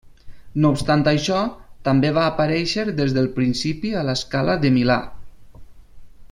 No obstant això, també va aparèixer des del principi a la Scala de Milà.